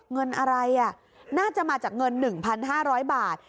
เงินอะไรน่าจะมาจากเงิน๑๕๐๐บาท